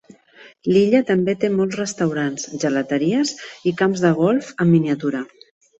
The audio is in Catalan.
L'illa també té molts restaurants, gelateries i camps de golf en miniatura.